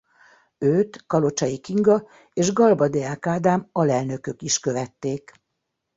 Őt Kalocsai Kinga és Galba-Deák Ádám alelnökök is követték.